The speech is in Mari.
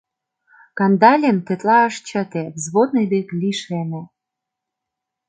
Кандалин тетла ыш чыте, взводный дек лишеме.